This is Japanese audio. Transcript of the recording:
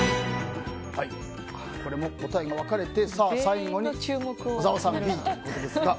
これも答えが分かれて最後に小沢さんＢということですが。